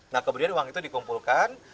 nah kemudian uang itu dikumpulkan